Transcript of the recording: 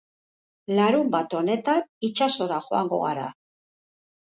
Larunbat honetan itsasora joango gara.